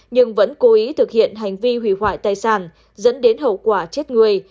nhưng vẫn cố ý thực hiện hành vi hủy hoại tài sản dẫn đến hậu quả chết người